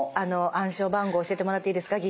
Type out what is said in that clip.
暗証番号教えてもらっていいですか？